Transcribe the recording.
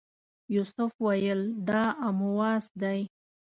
یوسف ویل دا امواس دی.